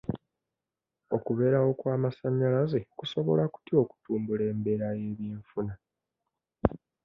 Okubeerawo kw'amasanyalaze kusobola kutya okutumbula embeera y'eby'enfuna?